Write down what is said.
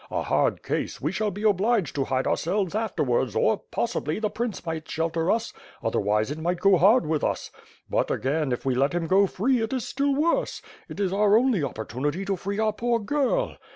A hard case; we shall be obliged to hide our selves afterwards or, possibly, the Prince might shelter us; otherwise it might go hard with us. But, again, if we let him go free it is still worse. It is our only opportunity to free our poor girl.